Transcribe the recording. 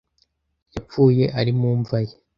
yapfuye ari mu mva ye